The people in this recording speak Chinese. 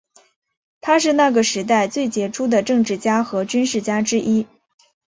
他是那个时代最杰出的政治家和军事家之一。